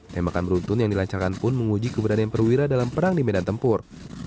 tembakan beruntun yang dilacakan pun menguji keberanian perwira dalam perang di medan tempur